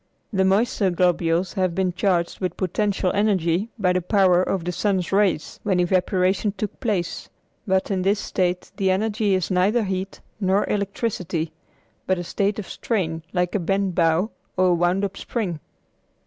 The moisture globules have been charged with potential energy by the power of the sun's rays when evaporation took place; but in this state the energy is neither heat nor electricity, but a state of strain like a bent bow or a wound up spring.